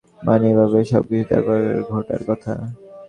মানে, এভাবেই সবকিছু তারপর ঘটার কথা।